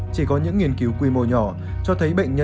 chỉ có những nghiên cứu quy mô nhỏ cho thấy